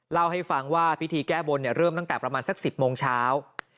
เล่าให้ฟังว่าพิธีแก้บนเริ่มตั้งแต่ประมาณสัก๑๐โมงเช้า